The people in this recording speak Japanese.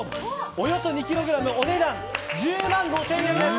およそ２ｋｇお値段、１０万５０００円です！